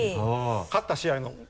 勝った試合のを。